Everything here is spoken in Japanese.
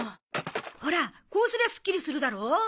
ほらこうすりゃすっきりするだろ？